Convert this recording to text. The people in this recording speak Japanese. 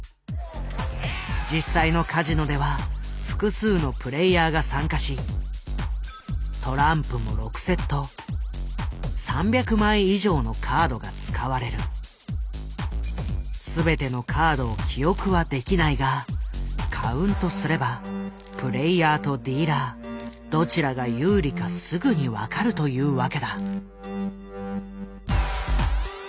実際のカジノでは複数のプレイヤーが参加しトランプも全てのカードを記憶はできないがカウントすればプレイヤーとディーラーどちらが有利かすぐに分かるというわけだ。